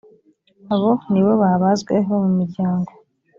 abo ni bo babazwe bo mu miryango